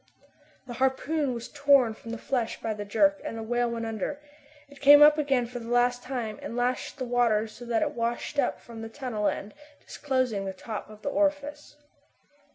The harpoon was torn from the flesh by the jerk, and the whale went under. It came up again for the last time, and lashed the water so that it washed up from the tunnel end, disclosing the top of the orifice.